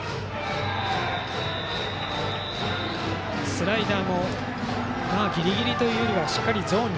スライダーもギリギリというよりはしっかりゾーンに。